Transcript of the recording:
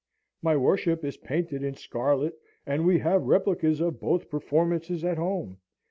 My worship is painted in scarlet, and we have replicas of both performances at home.